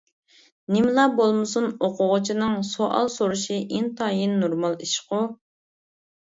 نېمىلا بولمىسۇن ئوقۇغۇچىنىڭ سوئال سورىشى ئىنتايىن نورمال ئىشقۇ.